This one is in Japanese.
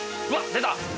出た！